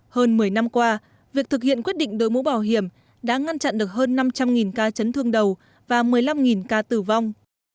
hơn một mươi năm qua việc thực hiện quyết định đội mũ bảo hiểm đã ngăn chặn được hơn năm trăm linh ca chấn thương đầu và một mươi năm ca tử vong